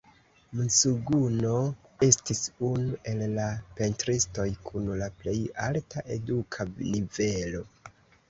Mzuguno estis unu el la pentristoj kun la plej alta eduka nivelo.